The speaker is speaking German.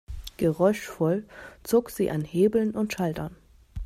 Geräuschvoll zog sie an Hebeln und Schaltern.